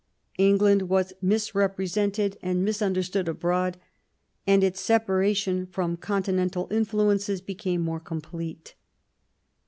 England was misrepresented and misunderstood abroad, and its separation from Continental influences became more complete.